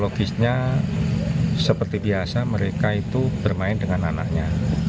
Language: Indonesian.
logisnya seperti biasa mereka itu bermain dengan anaknya